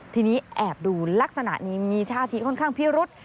ทีนี้แอบดูลักษณะนี้มีท่าทีค่อนข้างพิรุษ